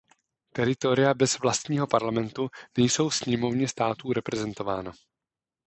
Teritoria bez vlastního parlamentu nejsou v Sněmovně států reprezentována.